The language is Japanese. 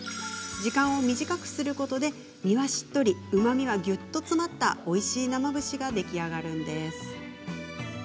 時間を短くすることで身はしっとりうまみは、ぎゅっと詰まったおいしい生節が出来上がるんです。